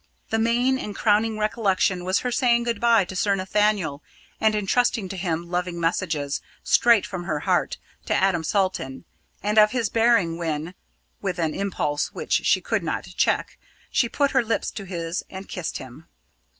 The main and crowning recollection was her saying goodbye to Sir Nathaniel, and entrusting to him loving messages, straight from her heart, to Adam Salton, and of his bearing when with an impulse which she could not check she put her lips to his and kissed him.